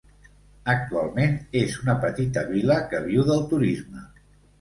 Actualment és una petita vila que viu del turisme.